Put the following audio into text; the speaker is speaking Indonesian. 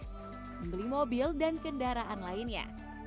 membeli mobil dan kendaraan lainnya